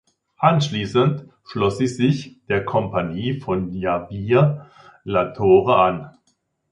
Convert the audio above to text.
Anschließend schloss sie sich der Kompanie von Javier Latorre an.